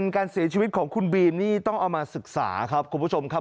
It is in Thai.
การเสียชีวิตของคุณบีมนี่ต้องเอามาศึกษาครับคุณผู้ชมครับ